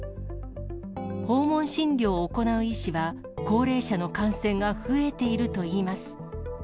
訪問診療を行う医師は、高齢者の感染が増えているといいます。